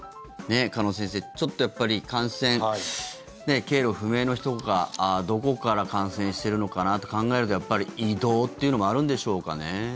鹿野先生、やっぱり感染経路不明の人がどこから感染しているのかなと考えるとやっぱり移動というのもあるんでしょうかね。